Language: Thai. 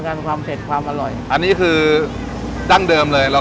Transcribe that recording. กันความเผ็ดความอร่อยอันนี้คือดั้งเดิมเลยเรา